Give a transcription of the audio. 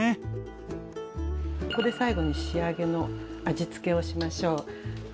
ここで最後の仕上げの味付けをしましょう。